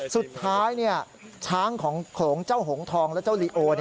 สุดท้ายช้างของโขลงเจ้าหงทองและเจ้าลีโอ